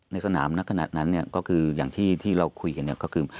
ในสนามขนาดนั้นอย่างที่เราคุยเนี่ย